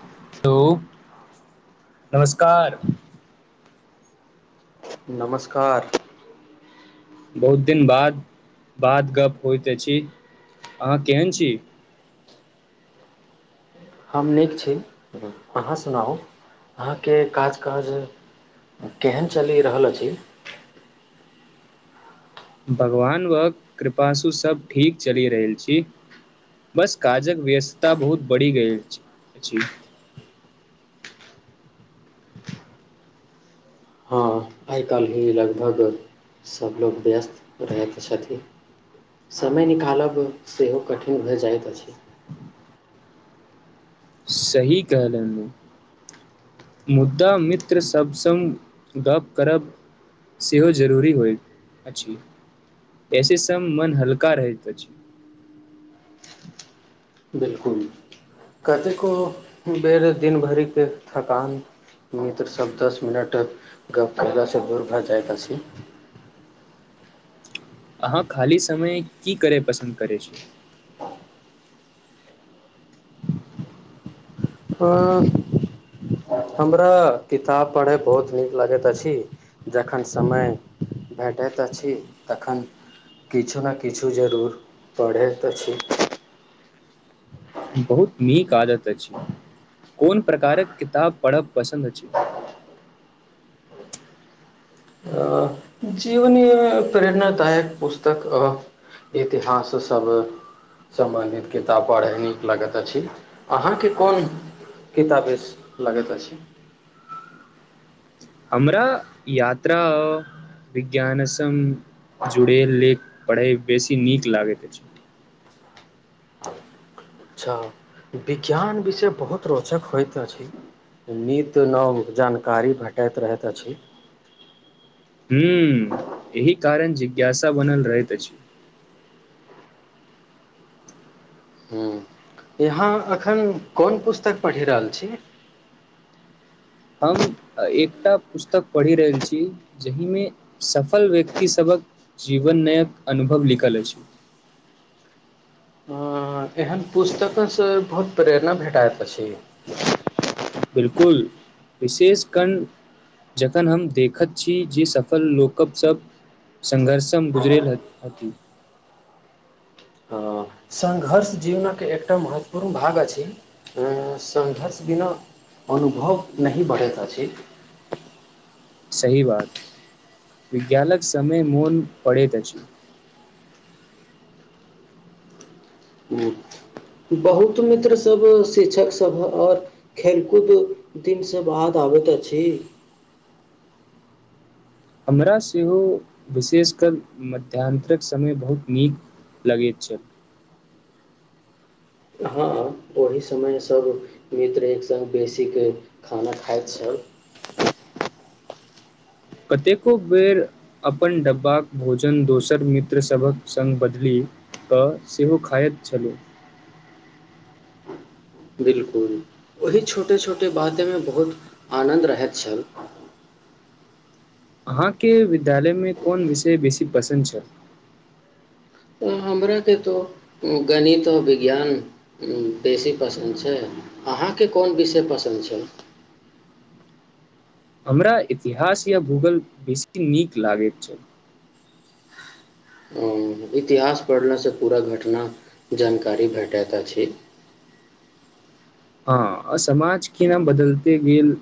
Hello नमस्कार नमस्कार बहुत दिन बाद बाद गप्प होइत अछी अहाँ केहन छी हम नीक छी अहाँ सुनाउ भगवान व कृपासु सभ ठीक चली रहल छी बस काजक व्यस्तता बहुत बढ़ि गेल अछि हँ आइ काल्हि लगभग सभलोग व्यस्त रहैत छथिन समय निकालब सेहो कठिन भए जाइत अछि सही कहलनि उ मुद्दा मित्र सब संग गप करब सेहो जरूरी होइत अछि ऐसे सब मन हल्का रहैत अछि बिलकुल कतेको बेरे दिन भरिक थकान मित्रसभ दस मिनट गप्प कएलासँ दूर भऽ जाइत अछि अहाँ खाली समय की करय पसन्द करै छी हँ हमरा किताब पढ़य बहुत नीक लगैत अछि जखन समय भेटैत अछि तखन किछु ने किछु जरूर पढ़ैत अछि बहुत नीक आदत अछि कोन प्रकारक किताब पढ़ब पसन्द अछि जीवनीय प्रेरणादायक पुस्तक आ इतिहास सब सम्बन्धित किताब पढ़य नीक लगैत अछि अहाँके कोन किताबेस लगैत अछि हमरा यात्रा विज्ञान संग जुड़े ले पढ़य बेसी नीक लागैत अछि अच्छा विज्ञान विषय बहुत रोचक होइत अछि नित नव जानकारी भेटैत रहैत अछि हूं एहि कारण जिज्ञासा बनल रहैत अछि यहाँ अखन कोन पुस्तक पढ़ि रहल छी हम एकटा पुस्तक पढ़ि रहल छी जहिमे सफल व्यक्तिसभक जीवनयक अनुभव लिखल अछि हं एहन पुस्तकस बहुत प्रेरणा भेटाएत अछि बिलकुल विशेष कण जखन हम देखत छी जे सफल लोकक सब संघर्षम गुजरेलती संघर्ष जीवनक एकटा महत्वपूर्ण भाग अछि संघर्ष बिना अनुभव नहि बढ़ैत अछि सही बात विज्ञानक समय मोन पड़ैत अछि बहुत मित्र सब शिक्षक सभ आओर खेल कूद दिन से बाद आबैत अछि हमरा सेहो विशेषकर मध्यानंतरक समय बहुत नीक लगैत छैय हँ ओहि समय सब मित्र एक संग बेसीके खाना खाइत छल कतेको बेर अपन डब्बाक भोजन दोसर मित्रसभक संग बदली क सेहो खायत छलहुं बिलकुल ओही छोटे छोटे बातेमे बहुत आनन्द रहैत छल अहाँके विद्यालयमे कोन विषय बेसी पसन्द छल हमराके तो गणित आओ विज्ञान बेसी पसन्द छैय अहाँके कोन विषय पसन्द छैय हमरा इतिहास या भूगोल बेसी नीक लागैत छल इतिहास पढ़लासँ पूरा घटना जानकारी भेटैत अछि हँ आ समाज केना बदलते गेल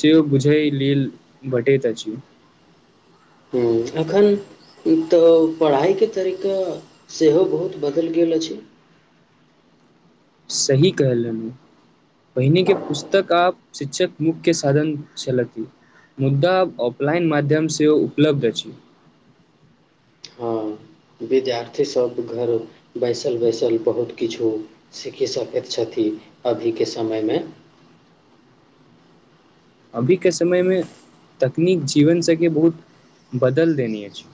सेहो बुझय लेल भटैत अछि हं एखन त पढ़ाइके तरीका सेहो बहुत बदलि गेल अछि सही कहलनि पहिने के पुस्तक आ शिछक मुख्य साधन छलथि मुद्दा ऑफलाइन माध्यम से उपलब्ध अछि विद्यार्थीसब घर बैसल बैसल बहुत किछु सीखी सकैत छथि अभीके समयमे अभीके समयमे तकनीक जीवन सबके बहुत बदल देने अछि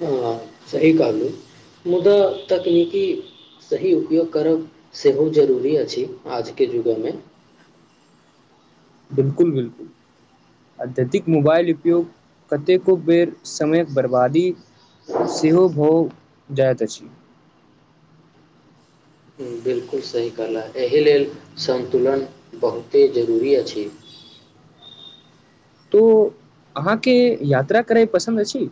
हँ सही कहलू मुदा तकनीकी सही उपयोग करब सेहो जरूरी अछि आजके जुग मे बिलकुल बिलकुल अत्यधिक मोबाइल उपयोग कतेको बेर समयक बर्बादी सेहो भउ जाइत अछि बिल्कुल सही कहला एहि लेल सन्तुलन बहुते जरूरी अछि तो अहाँके यात्रा करय पसन्द अछि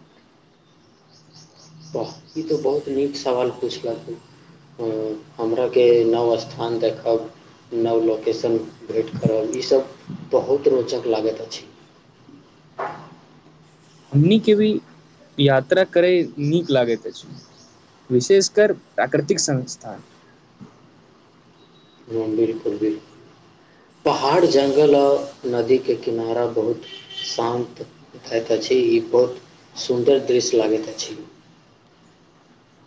ब ई तऽ बहुत नीक सवाल पूछलखिन हमराके नव स्थान देखब नव लोकेशन भेँट करब ईसभ बहुत रोचक लागैत अछि। हमनी के भी यात्रा करै नीक लागैत अछि विशेषकर प्राकृतिक संस्थान। मन्दिर पुरबीर पहाड़ जङ्गल आ नदीके किनारा बहुत शान्त होइत अछि ई बहुत सुन्दर दृश्य लागैत अछि।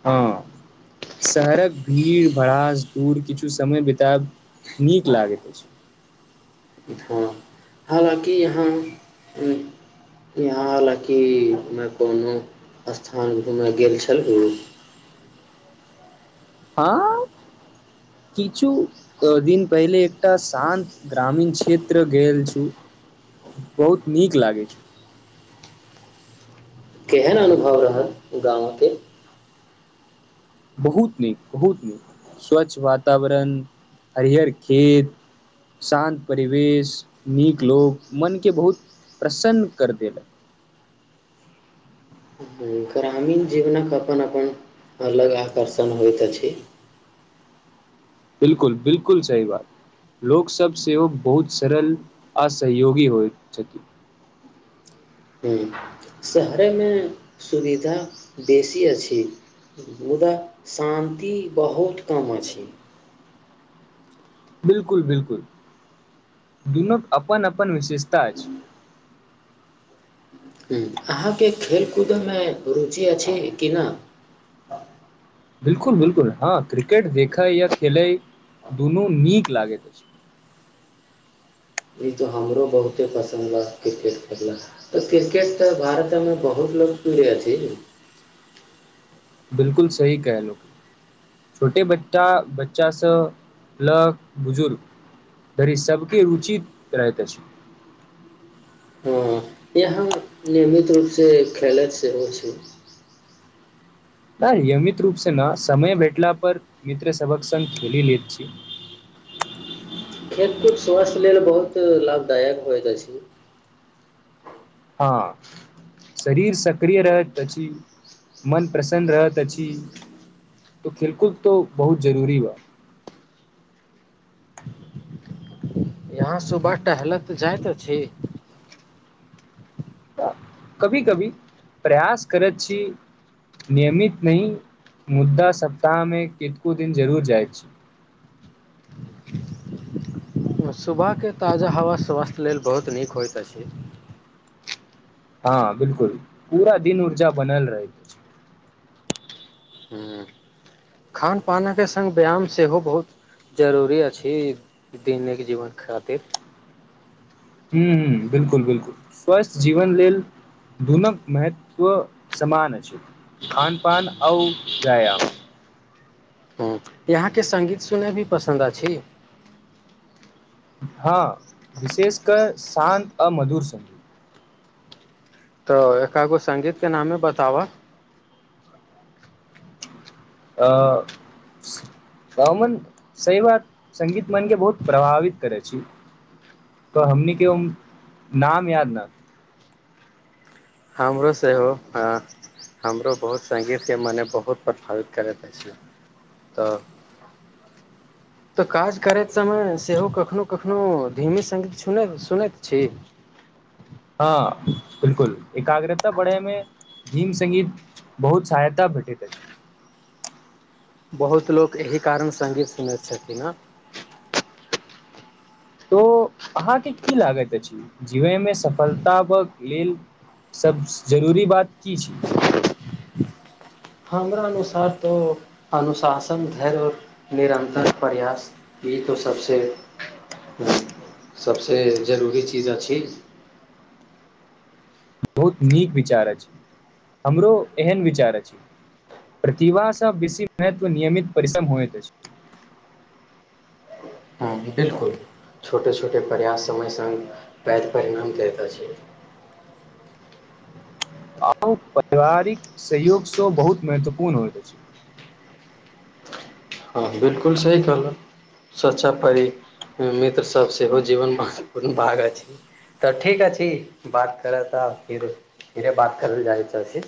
हँ शहरक भीड़ भड़ास दूर किछु समय बिताब नीक लागैत अछि। हँ हालाँकि यहाँ यहाँ हालाँकिमे कोनो स्थान घूमय गेल छल गुरू हँ किछु दिन पहिले एकटा शान्त ग्रामीण क्षेत्र गेल छु बहुत नीक लागे छ। केहन अनुभव रहल गाँवके बहुत नीक, बहुत नीक, स्वच्छ वातावरण, हरिहर खेत शान्त परिवेश, नीक लोक मन के बहुत प्रसन्न कर देलक। ग्रामीण जीवनक अपन अपन, अलग आकर्षण होइत अछि। बिलकुल, बिलकुल सही बात, लोक सब सेहो बहुत सरल आ सहयोगी होइत छथि। ह शहरेमे सुविधा बेसी अछि, मुदा शान्ति बहुत कम अछि। बिलकुल, बिलकुल, दुनूक अपनन अपनन विशेषता अछि। अहाँके खेलकूदमे रुचि अछि कि नहि। बिलकुल, बिलकुल, हँ क्रिकेट देखय या खेलय दुनू नीक लागैत अछि। ई तऽ हमरो बहुते पसन्द रह क्रिकेट खेलना। बिलकुल सही केहलू छोटे बच्चा बच्चा स ल बुजुर्ग धरि सबके रुचि रहैत अछि। हँ यहाँ नियमित रूप से खेलैत सेहो छै। त नियमित रूप से न समय भेटला पर मित्र सबक सङघ खेल लेैत छी। खेलकूद स्वास्थ्य लेल बहुत लाभदायक होइत अछि। हँ, शरीर सक्रिय रहत अछि, मन प्रसन्न रहत अछि त खेलकूद त बहुत जरूरी बा। यहाँ सुबह टहलैत जाइत अछि। त कभी कभी प्रयास करैत छी नियमित नही मुद्दा सप्ताह मे केतको दिन जरूर जाइत छी। सुबहके ताजा हवा स्वास्थ्य लेल बहुत नीक होइत अछि। हँ बिलकुल पूरा दिन ऊर्जा बनल रहैत अछि। ह, खान पानके सङ्ग व्यायाम सेहो बहुत जरूरी अछि दैनिक जीवन खातिर। हू ह बिलकुल, बिलकुल, स्वस्थ जीवन लेल दुनू महत्व समान अछि खान पान और व्यायाम ह यहाँके सङ्गीत सुनय भी पसन्द अछि हँ विशेषकर शान्त आ मधुर सगीत तऽ एकागो सङगीत के नामे बताबा अ स अमन सही बात संगीत मन के बहुत प्रभावित करै छी तऽ हमनी के ओ नाम याद न। हमरो सेहो, ह हमरो बहुत संगीत के मने बहुत प्रभावित करैत अछि तऽ तऽ काज करैत समय सेहो कखनो कखनो। हँ बिलकुल एकाग्रता बढ़य मे धीम सगीत बहुत सहायता भेटैत अछि। बहुत लोक एहि कारण सङ्गीत सुनैत छथिन हेँ तँ अहाँकेँ की लगैत अछि, जीवनमे सफलताकेँ लेल सभसँ जरूरी बात की छै? हमरा अनुसार तऽ अनुशासन धैर्य आर निरन्तर प्रयास ई तऽ सभसँ सभसँ जरूरी चीज अछि। बहुत नीक विचार अछि हमरो एहन विचार अछि प्रतिभासँ बेसी महत्व नियमित परिश्रम होइत अछि बिल्कुल छोटे छोटे प्रयास समय सङ्ग पैघ परिणाम देल रहल छै। आओ पारिवारिक सहयोगसँ बहुत महत्वपूर्ण होइत अछि। हँ बिलकुल सही कहलक सच्चा परी मित्र सब सेहो जीवन महत्वपूर्ण भाग अछि तऽ ठीक अछि बात करय तऽ फिर धीरे बात करल जाइ अछि।